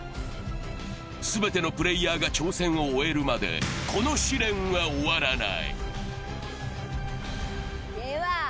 全てのプレーヤーが挑戦を終えるまで、この試練は終わらない。